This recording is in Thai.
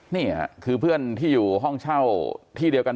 นี่คือเพื่อนที่อยู่ห้องเช่าที่เดียวกัน